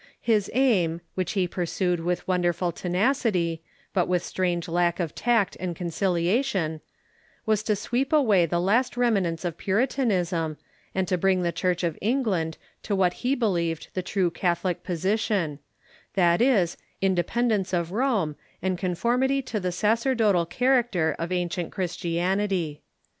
His aim, which he pur sued with wonderful tenacity, but with strange lack of tact and conciliation, was to sweep away the last remnants ot Puritanism, and to bring the Church of England to what he believed the true Catholic position— that is, independence ot Rome, and conformity to the sacerdotal character of ancient Christianity.